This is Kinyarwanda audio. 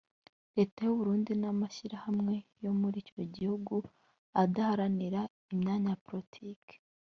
leta y’u Burundi n’amashyirahamwe yo muri icyo gihugu adaharanira imyanya ya politike